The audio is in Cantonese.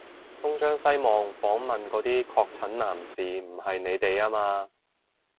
東張西望訪問嗰啲確診男士唔係你哋吖嘛？